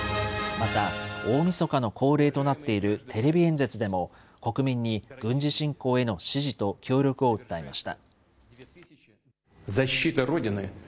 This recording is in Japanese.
また大みそかの恒例となっているテレビ演説でも、国民に軍事侵攻への支持と協力を訴えました。